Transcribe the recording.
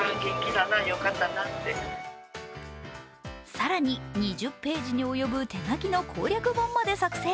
更に２０ページに及ぶ手書きの攻略本まで作成。